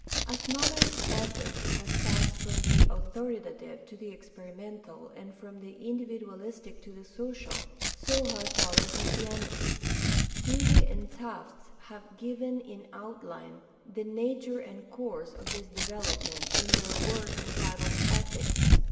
As modern ethics has passed from the authoritative to the experimental and from the individualistic to the social, so has modern Chris tianity. (Dewey and Tufts have given in outline the nature and course of this development in their work entitled Ethics [New York: Henry Holt & Co., 1908]).